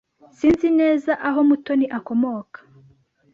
Sinzi neza aho Mutoni akomoka.